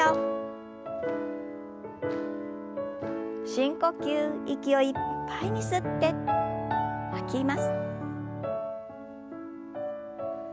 深呼吸息をいっぱいに吸って吐きます。